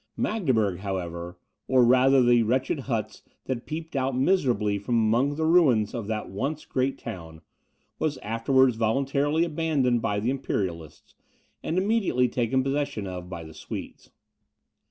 Magdeburg, however, or rather the wretched huts that peeped out miserably from among the ruins of that once great town, was afterwards voluntarily abandoned by the Imperialists, and immediately taken possession of by the Swedes.